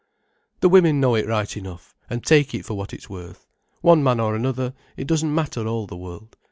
"The women know it right enough, and take it for what it's worth. One man or another, it doesn't matter all the world.